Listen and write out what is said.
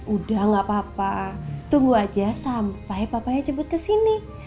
udah gak apa apa tunggu aja sampai papanya jemput ke sini